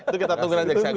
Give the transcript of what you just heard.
itu kita tunggu nanti